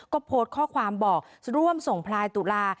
ก็โพสต์ข้อความบอกร่วมส่งพลายตุลา